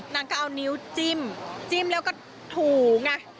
นางก็เอานิ้วจิ้มจิ้มแล้วก็ถูไง